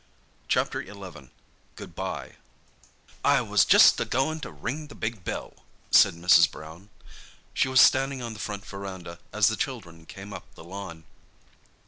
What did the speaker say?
CHAPTER XI. GOOD BYE "I was just a goin' to ring the big bell," said Mrs. Brown. She was standing on the front verandah as the children came up the lawn.